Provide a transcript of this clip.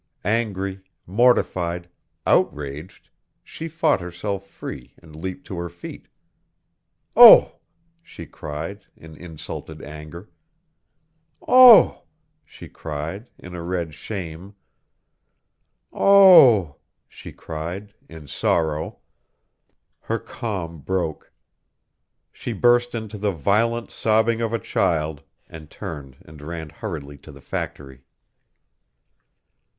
Angry, mortified, outraged, she fought herself free and leaped to her feet. "Oh!" she cried, in insulted anger. "Oh!" she cried, in a red shame. "Oh!" she cried, in sorrow. Her calm broke. She burst into the violent sobbing of a child, and turned and ran hurriedly to the factory.